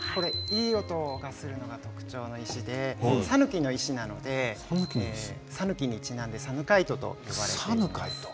いい音がするのが特徴の石で讃岐の石なので讃岐にちなんでサヌカイトと言われています。